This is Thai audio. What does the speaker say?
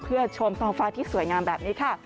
เพื่อชมทองฟ้าที่สวยงามแบบนี้ค่ะ